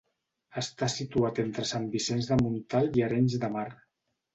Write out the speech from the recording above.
Està situat entre Sant Vicenç de Montalt i Arenys de Mar.